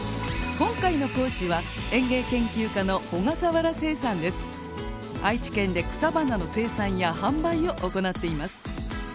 今回の講師は愛知県で草花の生産や販売をおこなっています。